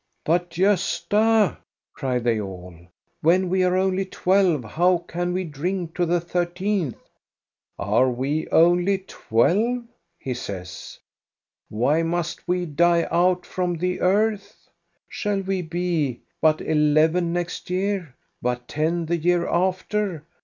" "But, Gosta," cry they all, "when we are only twelve how can we drink to the thirteenth ?" "Are we only twelve.^ " he says. " Why must we die out from the earth.? Shall we be biit eleven next year, but ten the year after.